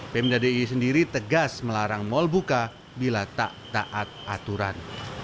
pemdadi sendiri tegas melarang mal buka bila tak taat aturan